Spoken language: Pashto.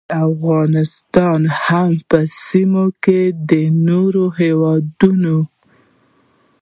د افغانستان او هم په سیمه کې د نورو هیوادونو